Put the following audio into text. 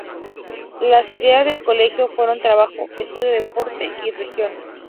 Los ideales del Colegio fueron "Trabajo, Estudio, Deporte y Religión".